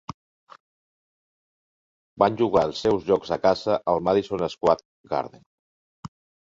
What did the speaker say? Van jugar els seus jocs a casa al Madison Square Garden.